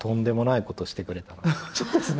そうですね。